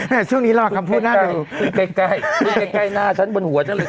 น่ะช่วงนี้เราเข้าคำพูดหน้าหนูใกล้ใกล้ใกล้หน้าฉันบนหัวฉันเลย